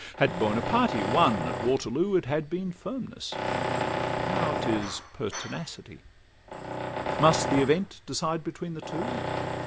Had Buonaparte won at Waterloo, It had been firmness; now 'tis pertinacity: Must the event decide between the two?